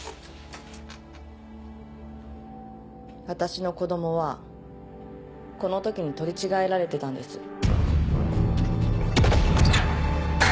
私の子供はこの時に取り違えられてたんです。